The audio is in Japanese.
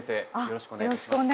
よろしくお願いします